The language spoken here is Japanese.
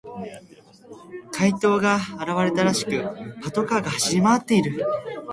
怪盗が現れたらしく、パトカーが走り回っている。